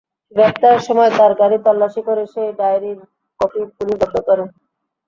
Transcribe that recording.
গ্রেপ্তারের সময় তাঁর গাড়ি তল্লাশি করে সেই ডায়েরির কপি পুলিশ জব্দ করে।